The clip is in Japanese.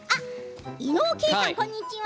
伊野尾慧さん、こんにちは。